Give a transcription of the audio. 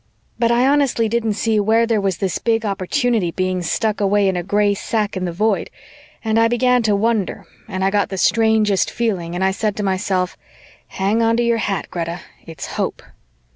But I honestly didn't see where there was this big opportunity being stuck away in a gray sack in the Void and I began to wonder and I got the strangest feeling and I said to myself, "Hang onto your hat, Greta. It's hope."